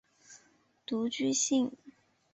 独居性。